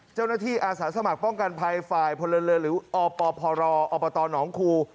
เจ้าหน้าที่อาสาสมัครป้องกันภัยฝ่ายพลเลินหรืออพรอตหนองคู